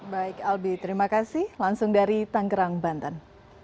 baik albi terima kasih langsung dari tanggerang banten